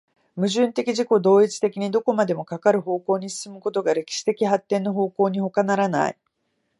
矛盾的自己同一的にどこまでもかかる方向に進むことが歴史的発展の方向にほかならない。